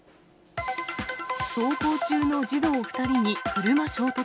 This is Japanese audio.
登校中の児童２人に車衝突。